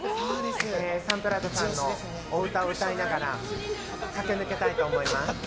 サンプラザさんのお歌を歌いながら駆け抜けたいと思います。